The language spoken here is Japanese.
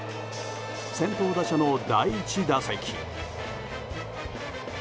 先頭打者の第１打席。